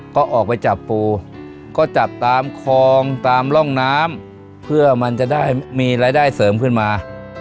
ก็ออกไปจับปูก็จับตามคลองตามร่องน้ำเพื่อมันจะได้มีรายได้เสริมขึ้นมา